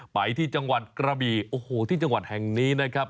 ไปที่จังหวัดกระบี่โอ้โหที่จังหวัดแห่งนี้นะครับ